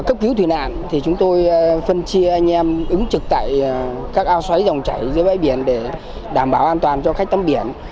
cấp cứu thủy nạn thì chúng tôi phân chia anh em ứng trực tại các ao xoáy dòng chảy giữa bãi biển để đảm bảo an toàn cho khách tắm biển